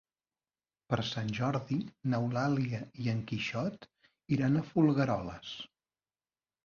Per Sant Jordi n'Eulàlia i en Quixot iran a Folgueroles.